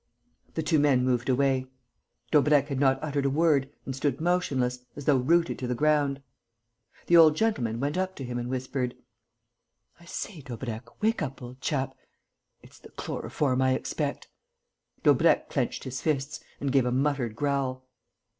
The two men moved away. Daubrecq had not uttered a word and stood motionless, as though rooted to the ground. The old gentleman went up to him and whispered: "I say, Daubrecq, wake up, old chap.... It's the chloroform, I expect...." Daubrecq clenched his fists and gave a muttered growl.